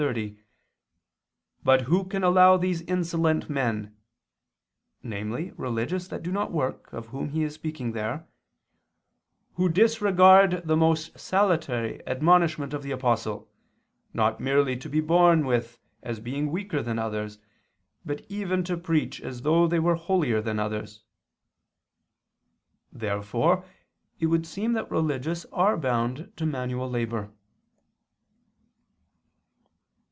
xxx): "But who can allow these insolent men," namely religious that do no work, of whom he is speaking there, "who disregard the most salutary admonishment of the Apostle, not merely to be borne with as being weaker than others, but even to preach as though they were holier than others." Therefore it would seem that religious are bound to manual labor.